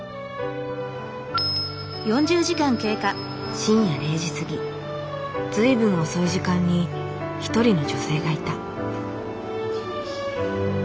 深夜０時過ぎ随分遅い時間に一人の女性がいた。